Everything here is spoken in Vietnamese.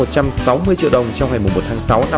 một trăm sáu mươi triệu đồng trong ngày một tháng sáu